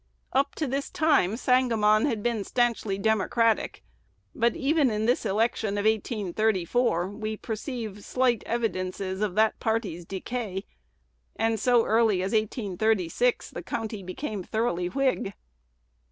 Up to this time Sangamon had been stanchly Democratic; but even in this election of 1834 we perceive slight evidences of that party's decay, and so early as 1836 the county became thoroughly Whig.